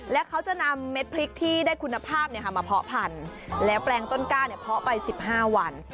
และเขาจะนำเม็ดพริกที่ได้คุณภาพมาเพาะพันธุ์แล้วแปลงต้นกล้าเนี่ยเพาะไป๑๕วัน